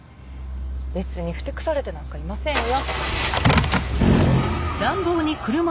別にふてくされてなんかいませんよ。